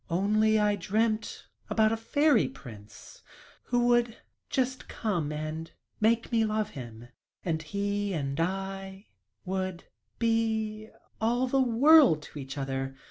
"Once I dreamt about a fairy prince who would just come and make me love him and he and I would be all the world to each other.